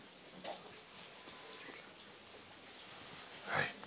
はい。